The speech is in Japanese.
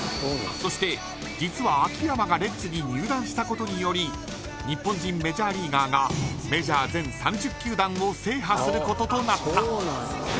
そして、実は秋山がレッズに入団したことにより日本人メジャーリーガーがメジャー全３０球団を制覇することとなった。